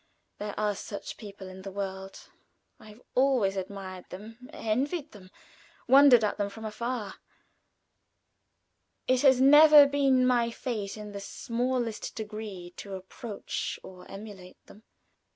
There are such people in the world. I have always admired them, envied them, wondered at them from afar; it has never been my fate in the smallest degree to approach or emulate them.